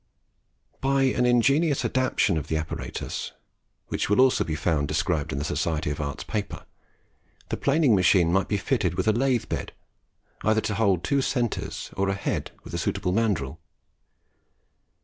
By an ingenious adaptation of the apparatus, which will also be found described in the Society of Arts paper, the planing machine might be fitted with a lathe bed, either to hold two centres, or a head with a suitable mandrill.